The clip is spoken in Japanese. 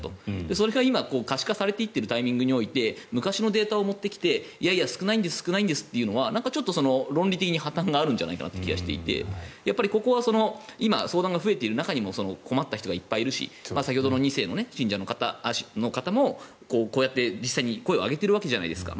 それが今可視化されていっているタイミングにおいて昔のデータを持ってきていやいや少ないんですと言うのはちょっと論理的に破たんがあるんじゃないかという気がしていて今、相談が増えている中でも困った人がいっぱいいるし先ほどの２世の信者の方もこうやって実際に声を上げてるわけじゃないですか。